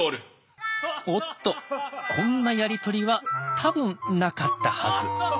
おっとこんなやり取りは多分なかったはず。